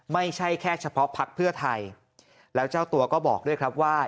ไม่ใช่แค่เฉพาะพักเพื่อไทยแล้วเจ้าตัวก็บอกด้วยครับว่า